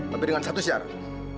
tapi dengan satu syarat